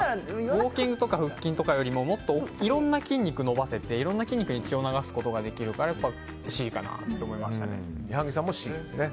ウォーキングとか腹筋よりももっといろんな筋肉を伸ばせていろんな筋肉に血を流すことができるから矢作さんもＣですね。